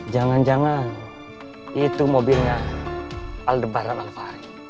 jangan jangan itu mobilnya aldebar alfari